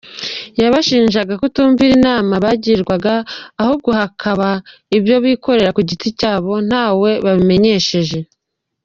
Yabashinjaga kutumvira inama bagirwaga ahubwo hakaba ibyo bikoreraga ku giti cyabo nta we babimenyesheje.